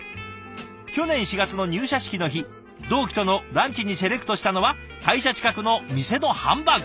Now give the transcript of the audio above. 去年４月の入社式の日同期とのランチにセレクトしたのは会社近くの店のハンバーグ。